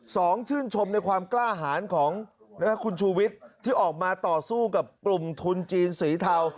สองชื่นชมในความกล้าหารของคุณชูวิทย์ที่ออกมาต่อสู้กับกลุ่มทุนจีนสีเทา